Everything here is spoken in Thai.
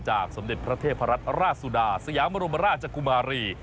สมเด็จพระเทพรัตนราชสุดาสยามรมราชกุมารี